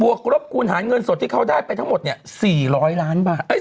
กรบคูณหารเงินสดที่เขาได้ไปทั้งหมด๔๐๐ล้านบาท